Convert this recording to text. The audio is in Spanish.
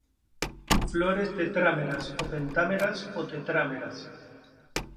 Flores tetrámeras o pentámeras y tetrámeras.